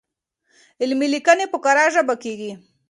علمي ليکنې په کره ژبه کيږي.